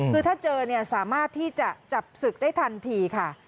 คือถ้าเจอเนี่ยสามารถที่จะจับศึกได้ทันทีค่ะ